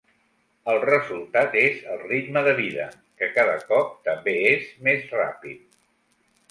El resultat és el ritme de vida, que cada cop també és més ràpid.